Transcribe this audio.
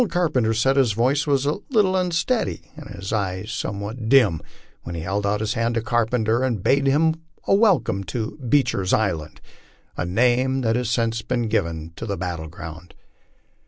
Carpenter said his voice was a little unsteady and his eyes somewhat dim when he held out his hand to Carpenter and bade him welcome to "Beecher's Island," a name that has since been given to the battle ground.